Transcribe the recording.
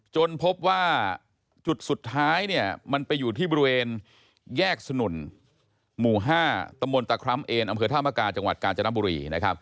พบว่าจุดสุดท้ายมันไปอยู่ที่บริเวณแยกสนุนหมู่๕ตะมนตะคร้ำเอนอำเภอธามกาจังหวัดกาญจนบุรี